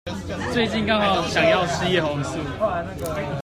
最近剛好想要吃葉黃素